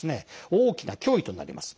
大きな脅威となります。